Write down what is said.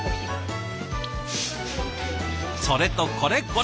それとこれこれ。